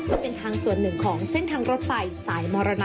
ซึ่งเป็นทางส่วนหนึ่งของเส้นทางรถไฟสายมรณะ